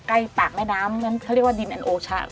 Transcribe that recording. ปากแม่น้ำนั้นเขาเรียกว่าดินอันโอชะ